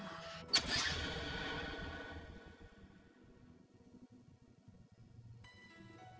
aku pun mah